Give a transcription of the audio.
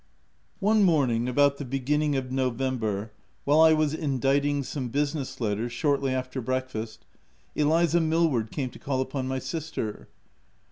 One morning, about the beginning of Novem ber, while I was inditing some business letters, shortly after breakfast, Eliza Millward came to call upon my sister.